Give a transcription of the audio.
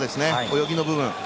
泳ぎの部分。